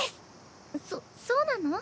そそうなの？